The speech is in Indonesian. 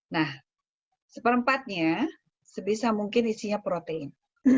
nah seperempatnya sebisa mungkin isinya protein